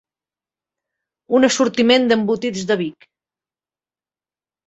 Un assortiment d'embotits de Vic.